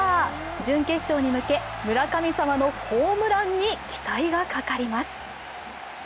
準決勝に向け、村神様のホームランに期待がかかります。